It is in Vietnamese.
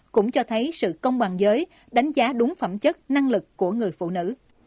cũng cho thấy sự công bằng giới đánh giá đúng phẩm chất năng lực của người phụ nữ